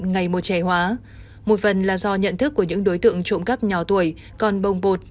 ngày một trẻ hóa một phần là do nhận thức của những đối tượng trộm cắp nhỏ tuổi còn bồng bột